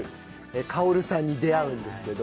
香さんに出会うんですけど、